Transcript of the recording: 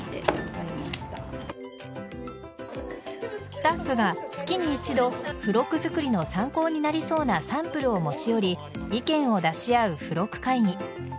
スタッフが月に一度付録作りの参考になりそうなサンプルを持ち寄り意見を出し合う付録会議。